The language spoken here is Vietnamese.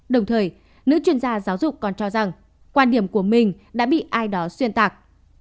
đồng thời nữ chuyên gia giáo dục còn cho rằng quan điểm của mình đã bị ai đó xuyên tạc